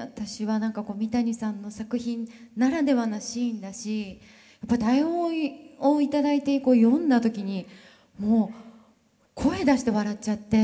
私は三谷さんの作品ならではなシーンだし台本を頂いて読んだ時にもう声出して笑っちゃって。